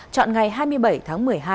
chọn ngày hai mươi bảy tháng một mươi hai